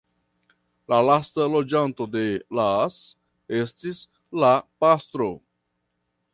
La lasta loĝanto de Las estis la pastro.